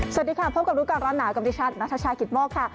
สวัสดีค่ะพบกับร้อนหนาวกับดิฉันณชาวคิดโมกค่ะ